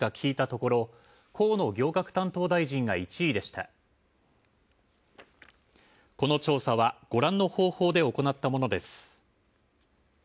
この調査はご覧の方法で行ったものです。